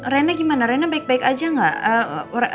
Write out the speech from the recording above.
reina gimana reina baik baik aja gak